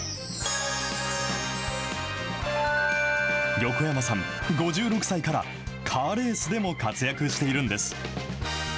横山さん、５６歳からカーレースでも活躍しているんです。